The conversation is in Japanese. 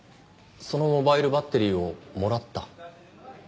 そのモバイルバッテリーをもらった？